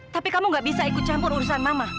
tapi kamu gak bisa ikut campur urusan mama